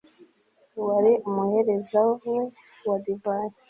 wari umuhereza we wa divayi